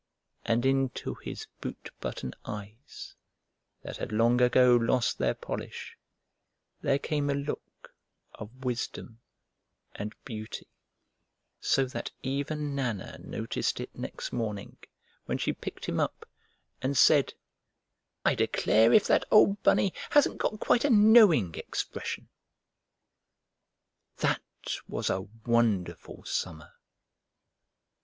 And into his boot button eyes, that had long ago lost their polish, there came a look of wisdom and beauty, so that even Nana noticed it next morning when she picked him up, and said, "I declare if that old Bunny hasn't got quite a knowing expression!" That was a wonderful Summer!